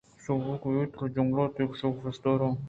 سُہب کہ بیت ترا جنگل ءَ تئی کشکءَ پیشداراں